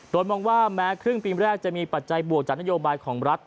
โดยมองว่าแม้ครึ่งปีแรกจะมีปัจจัยบวกจากนโยบายของรัฐ